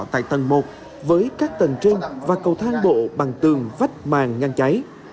tại tầng một với các tầng trên và cầu thang bộ bằng tường vách màng ngăn cháy